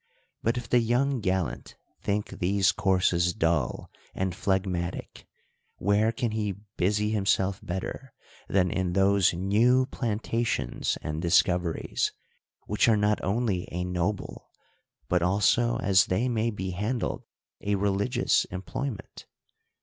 But if the young gallant think these courses dull and phleg matic, w^here can he busy himself better, than in those new plantations and discoveries, which are not only a noble, but also, as they may be handled, a religious employment